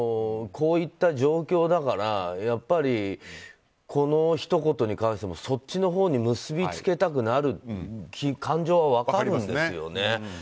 こういった状況だからやっぱり、このひと言に関してはそっちのほうに結びつけたくなる感情は分かるんですよね。